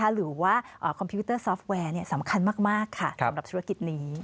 หรือว่าคอมพิวเตอร์ซอฟต์แวร์สำคัญมากค่ะสำหรับธุรกิจนี้